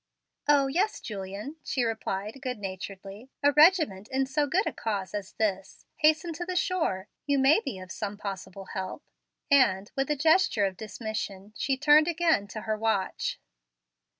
"O, yes, Julian," she replied good naturedly; "a regiment in so good a cause as this. Hasten to the shore. You may be of some possible help;" and, with a gesture of dismission, she turned again to her watch.